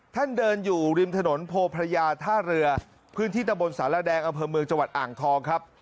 ท่านเดินอยู่ริมถนนโพพระยาท่าเรือพื้นที่ตะบนสารแดงอำเภอเมืองจังหวัดอ่างทองครับ